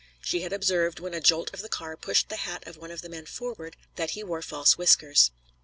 She had observed, when a jolt of the car pushed the hat of one of the men forward, that he wore false whiskers.